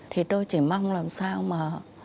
thì tôi chỉ mong làm sao mà